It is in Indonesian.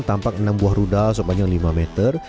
tampak enam buah rudal sepanjang lima meter